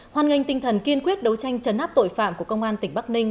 hoan nghênh tinh thần kiên quyết đấu tranh chấn áp tội phạm của công an tỉnh bắc ninh